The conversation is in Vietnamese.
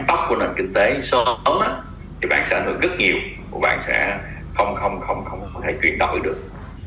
thì bạn sẽ thuộc rất nhiều bạn sẽ không thể chuyển đổi được